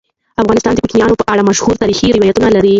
افغانستان د کوچیانو په اړه مشهور تاریخی روایتونه لري.